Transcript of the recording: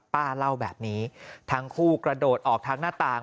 ป้าเล่าแบบนี้ทั้งคู่กระโดดออกทางหน้าต่าง